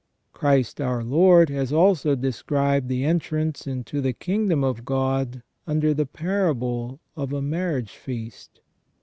Christ our Lord has also described the entrance into the Kingdom of God under the parable of a marriage feast.